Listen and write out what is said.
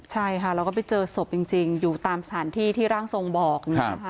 ใช่ค่ะแล้วก็ไปเจอศพจริงอยู่ตามสถานที่ที่ร่างทรงบอก